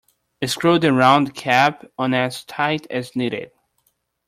Screw the round cap on as tight as needed.